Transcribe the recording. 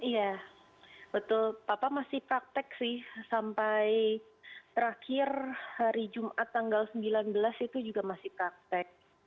iya betul papa masih praktek sih sampai terakhir hari jumat tanggal sembilan belas itu juga masih praktek